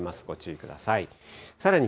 ご注意ください。